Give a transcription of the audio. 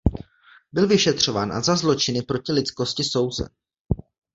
Byl vyšetřován a za zločiny proti lidskosti souzen.